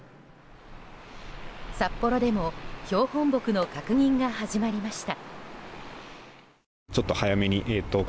札幌でも標本木の確認が始まりました。